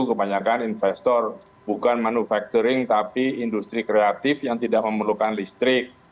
kebanyakan investor bukan manufacturing tapi industri kreatif yang tidak memerlukan listrik